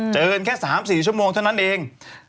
เจอกันแค่๓๔ชั่วโมงเท่านั้นเอง